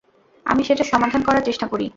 আমি সেটার সমাধান করার চেষ্টা করি।